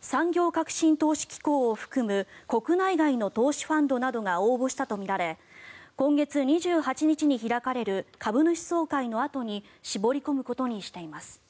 産業革新投資機構を含む国内外の投資ファンドなどが応募したとみられ今月２８日に開かれる株主総会のあとに絞り込むことにしています。